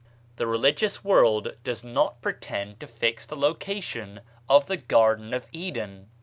The religious world does not pretend to fix the location of the Garden of Eden.